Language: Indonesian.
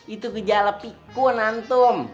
itu kejala pikun antum